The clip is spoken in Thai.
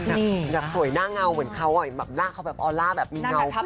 ฮันรับสวยหน้าเหงาเหมือนเค้าออกอย่างเอาออลลาร์แบบมีเหงา